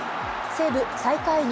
西武、最下位